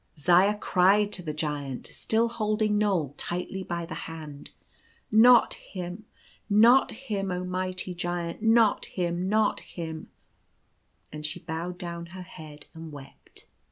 Zaya cried to the Giant, still holding Knoal tightly by the hand :" Not him, not him f Oh, mighty Giant! not him ! not him I" and she bowed down her head and wept.